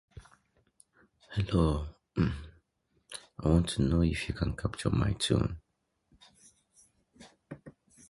The side opposite the guests was often fitted with a network bag.